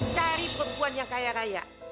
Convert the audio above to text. cari perempuan yang kaya raya